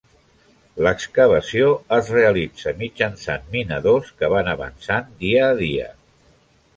L'excavació es realitza mitjançant minadors que van avançant dia a dia.